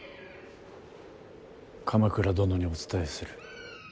鎌倉殿にお伝えする。